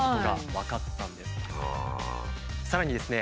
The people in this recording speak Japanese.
さらにですね